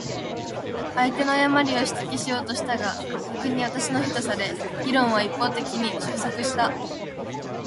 相手の誤りを指摘しようとしたが、逆に私の非とされ、議論は一方的に収束した。